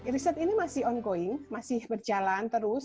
riset ini masih ongkoing masih berjalan terus